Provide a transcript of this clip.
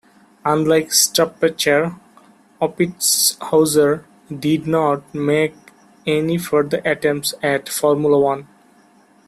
Unlike Stuppacher, Oppitzhauser did not make any further attempts at Formula One.